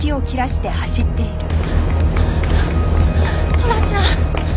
トラちゃん！